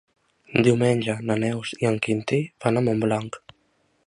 Diumenge na Neus i en Quintí van a Montblanc.